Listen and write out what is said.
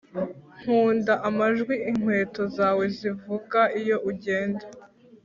nkunda amajwi inkweto zawe zivuga iyo ugenda